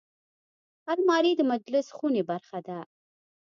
الماري د مجلس خونې برخه ده